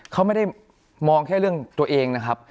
เขาไม่ได้มองแค่เรื่องตัวเองนะครับ